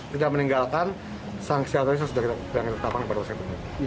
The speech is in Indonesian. kita meninggalkan sanksi atau tidak sudah kita ketahuan kepada usaha penyidik